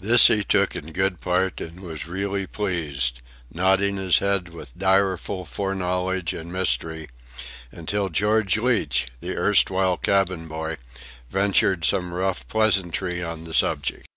This he took in good part, and was really pleased, nodding his head with direful foreknowledge and mystery, until George Leach, the erstwhile cabin boy, ventured some rough pleasantry on the subject.